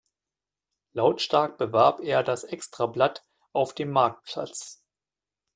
Lautstark bewarb er das Extrablatt auf dem Marktplatz.